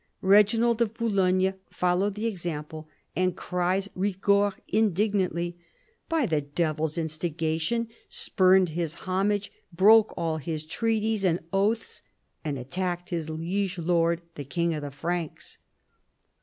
Eeginald of Boulogne followed the example, and, cries Eigord indignantly, " by the devil's instigation, spurned his homage, broke all his treaties and oaths, and attacked his liege lord,* the king of the Franks."